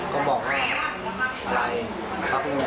เป็นแบบไหน